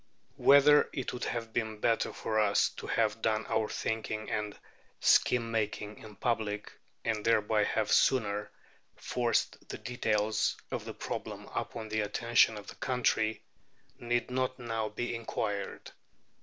Whether it would have been better for us to have done our thinking and scheme making in public, and thereby have sooner forced the details of the problem upon the attention of the country, need not now be inquired.